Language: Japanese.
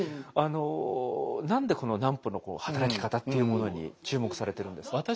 あの何でこの南畝の働き方っていうものに注目されてるんですか？